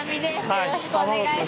よろしくお願いします。